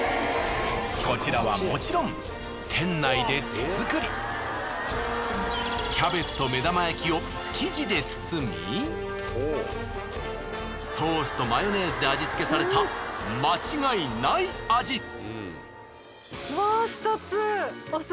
こちらはもちろんキャベツと目玉焼きを生地で包みソースとマヨネーズで味付けされた間違いない味。